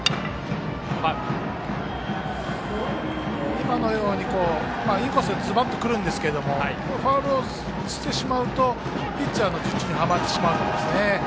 今のようにインコースにズバッと来るんですけどファウルをしてしまうとピッチャーの術中にはまってしまいますね。